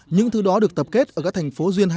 những thứ đó được tập kết ở các thành phố duyên hải